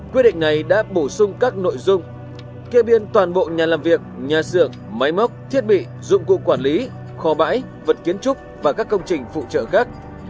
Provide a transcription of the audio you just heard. quyết định này đã bổ sung các nội dung kia biên toàn bộ nhà làm việc nhà xưởng máy móc thiết bị dụng cụ quản lý kho bãi vật kiến trúc và các công trình phụ trợ khác